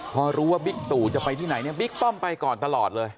พอรู้ว่าบิ๊กตู่จะไปที่ไหนเนี่ยบิ๊กป้อมไปก่อนตลอดเลย